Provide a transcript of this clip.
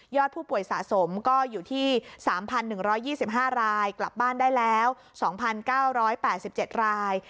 ผู้ป่วยสะสมก็อยู่ที่๓๑๒๕รายกลับบ้านได้แล้ว๒๙๘๗ราย